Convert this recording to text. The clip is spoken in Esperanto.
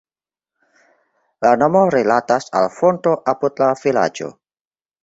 La nomo rilatas al fonto apud la vilaĝo.